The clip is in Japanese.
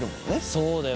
そうだよな。